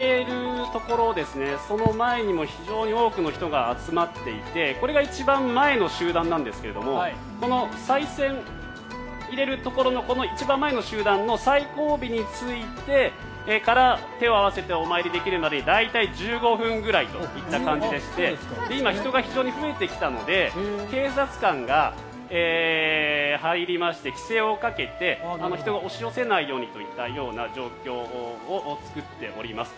おさい銭を入れるところその前にも非常に多くの人が集まっていてこれが一番前の集団なんですがこのさい銭を入れるところの一番前の集団の最後尾についてから手を合わせてお祈りできるようになるまで大体１５分ぐらいといった感じでして今、人が非常に増えてきたので警察官が入りまして規制をかけて人が押し寄せないようにといった状況を作っております。